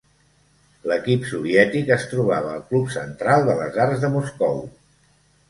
L'equip soviètic es trobava al Club Central de les Arts de Moscou.